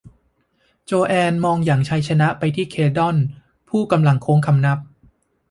โจแอนมองอย่างชัยชนะไปที่เขลดอน ผู้กำลังโค้งคำนับ